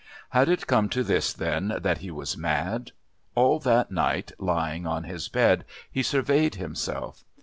Had it come to this then, that he was mad? All that night, lying on his bed, he surveyed himself.